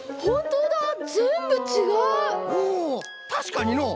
おたしかにのう。